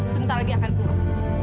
sebentar lagi akan keluar